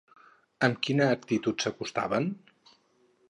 Amb quina actitud s'acostaven?